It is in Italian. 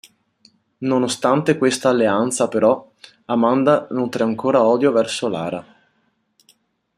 Nonostante questa alleanza però, Amanda nutre ancora odio verso Lara.